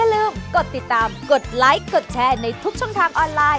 ลืมกดติดตามกดไลค์กดแชร์ในทุกช่องทางออนไลน์